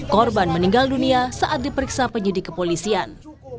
korban meninggal dunia saat diperiksa penyidik kepolisian